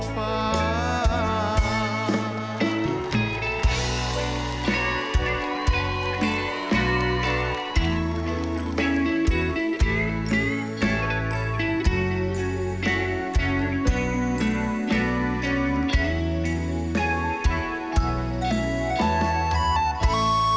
ของกรกฟ้า